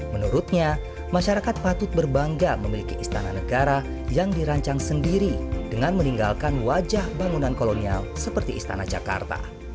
menurutnya masyarakat patut berbangga memiliki istana negara yang dirancang sendiri dengan meninggalkan wajah bangunan kolonial seperti istana jakarta